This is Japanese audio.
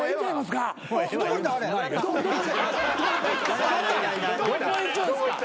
どこ行くんすか？